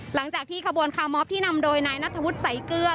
หลังจากที่ขบวนคาร์มอฟที่นำโดยนายนัทธวุฒิสายเกลือ